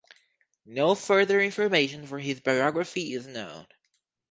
No further information for his biography is known.